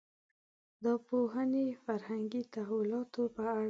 دا پوهنې فرهنګي تحولاتو په اړه دي.